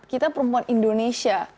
kita perempuan indonesia